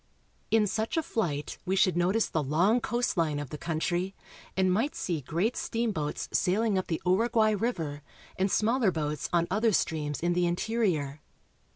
In such a flight we should notice the long coast line of the country, and might see great steamboats sailing up the Uruguay river, and smaller boats on other streams in the interior.